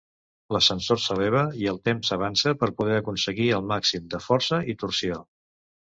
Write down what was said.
L'ascensor s'eleva i el temps s'avança per poder aconseguir el màxim de força i torsió.